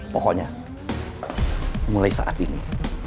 pokoknya mulai saat ini